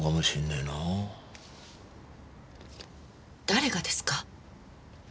誰がですか？